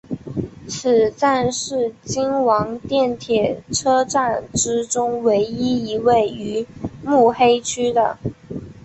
此站是京王电铁车站之中唯一位于目黑区的。